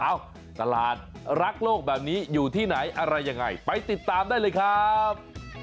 ตลาดรักโลกแบบนี้อยู่ที่ไหนอะไรยังไงไปติดตามได้เลยครับ